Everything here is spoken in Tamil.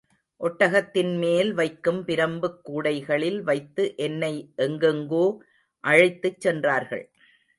ஒட்டகத்தின் மேல் வைக்கும் பிரம்புக் கூடைகளில் வைத்து என்னை எங்கெங்கோ அழைத்துச் சென்றார்கள்.